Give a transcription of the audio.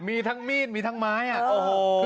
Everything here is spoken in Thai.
มีทั้งมีดมีถึงไม้เออโห